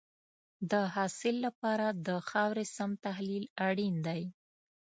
د حاصل لپاره د خاورې سم تحلیل اړین دی.